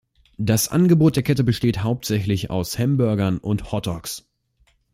Das Angebot der Kette besteht hauptsächlich aus Hamburgern und Hot Dogs.